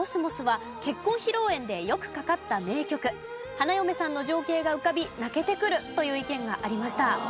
花嫁さんの情景が浮かび泣けてくるという意見がありました。